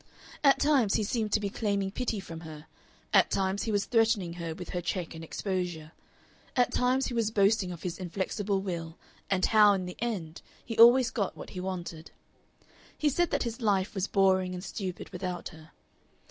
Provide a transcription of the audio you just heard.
At times he seemed to be claiming pity from her; at times he was threatening her with her check and exposure; at times he was boasting of his inflexible will, and how, in the end, he always got what he wanted. He said that his life was boring and stupid without her.